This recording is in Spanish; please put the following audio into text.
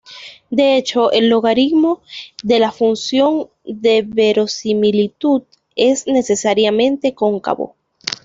De hecho, el logaritmo de la función de verosimilitud es necesariamente cóncavo.